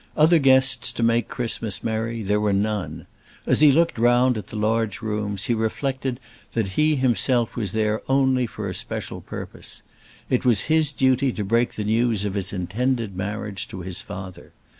Other guests to make Christmas merry there were none. As he looked round at the large rooms he reflected that he himself was there only for a special purpose. It was his duty to break the news of his intended marriage to his father.